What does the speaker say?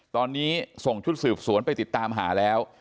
ตอนนี้ส่งชุดสืบสวนไปติดตามหาแล้ว